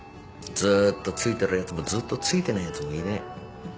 ずーっとついてるやつもずっとついてないやつもいねえ。